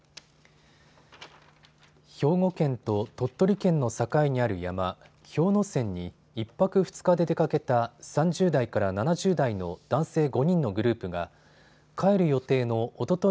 兵庫県と鳥取県の境にある山、氷ノ山に１泊２日で出かけた３０代から７０代の男性５人のグループが帰る予定のおととい